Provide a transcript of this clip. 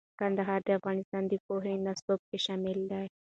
کندهار د افغانستان د پوهنې نصاب کې شامل دی.